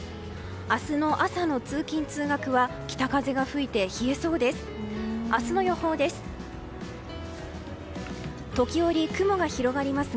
明日の朝の通勤・通学は北風が吹いて冷えそうです。